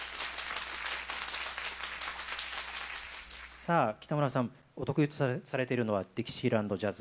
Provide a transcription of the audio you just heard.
さあ北村さんお得意とされているのはディキシーランド・ジャズ。